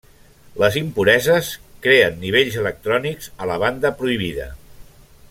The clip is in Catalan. Les impureses creen nivells electrònics a la banda prohibida.